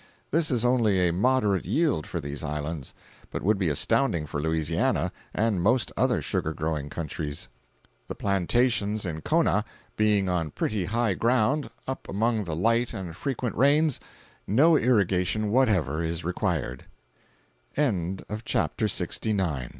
This is only a moderate yield for these islands, but would be astounding for Louisiana and most other sugar growing countries. The plantations in Kona being on pretty high ground—up among the light and frequent rains—no irrigation whatever is require